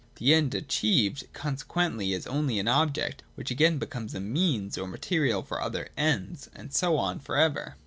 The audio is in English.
The End achieved 2ii,2i2.J MEAl^S AND ENDS. 351 consequently is only an object, which again becomes a Means or material for other Ends, and so on for ever.